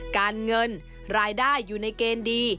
การเงินรายได้อยู่ในเกณฑ์ดี